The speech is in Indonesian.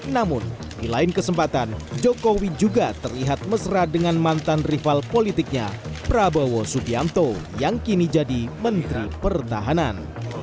namun di lain kesempatan jokowi juga terlihat mesra dengan mantan rival politiknya prabowo subianto yang kini jadi menteri pertahanan